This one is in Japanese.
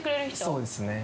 そうですね。